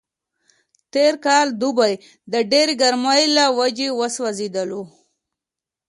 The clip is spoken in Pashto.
تېر کال دوبی د ډېرې ګرمۍ له وجې وسوځېدلو.